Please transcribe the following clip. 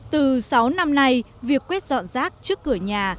từ sáu năm nay việc quét dọn rác trước cửa nhà